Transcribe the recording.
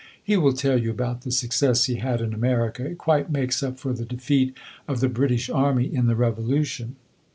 He will tell you about the success he had in America; it quite makes up for the defeat of the British army in the Revolution.